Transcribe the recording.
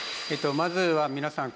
まずは皆さん